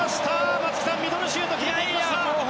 松木さんミドルシュートが決まりました！